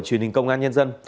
truyền hình công an nhân dân